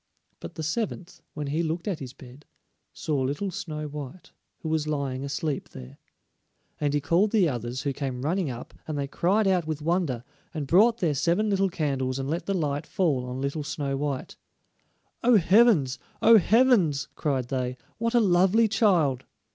But the seventh, when he looked at his bed, saw little Snow white, who was lying asleep there. And he called the others, who came running up, and they cried out with wonder, and brought their seven little candles and let the light fall on little Snow white. "Oh, heavens! oh, heavens!" cried they, "what a lovely child!"